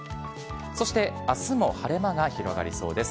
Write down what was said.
そして、あすも晴れ間が広がりそうです。